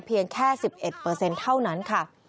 เพียงแค่๑๑เท่านั้นค่ะ